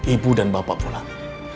ibu dan bapak pulang